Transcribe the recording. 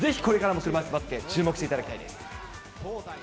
ぜひこれからも車いすバスケ、注目していただきたいです。